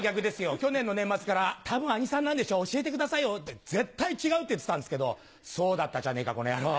去年の年末からたぶん兄さんなんでしょ、絶対そうでしょうって言われたんですけど、そうだったじゃねえか、この野郎。